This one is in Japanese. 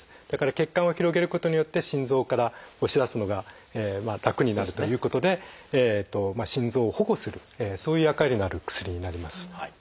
だから血管を広げることによって心臓から押し出すのが楽になるということで心臓を保護するそういう役割のある薬になります。